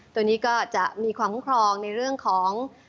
ตัวนี้ก็จะมีความคุ้มครองในเรื่องของ